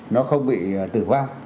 nó không bị tử vong